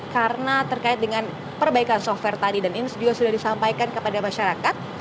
karena terkait dengan perbaikan software tadi dan ini juga sudah disampaikan kepada masyarakat